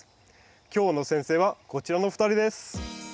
今日の先生はこちらの２人です。